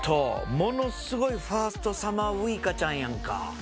ものすごいファーストサマーウイカちゃんやんか。